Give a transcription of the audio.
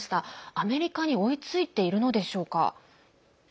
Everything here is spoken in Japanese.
アメリカに追いついているのでしょうか？